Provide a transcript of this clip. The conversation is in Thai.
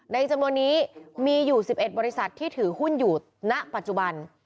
จำนวนนี้มีอยู่๑๑บริษัทที่ถือหุ้นอยู่ณปัจจุบัน